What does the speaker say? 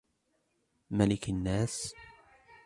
ملك الناس